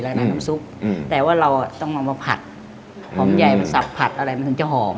น้ำซุปแต่ว่าเราต้องเอามาผัดหอมใหญ่มาสับผัดอะไรมันถึงจะหอม